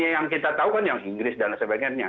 yang kita tahu kan yang inggris dan sebagainya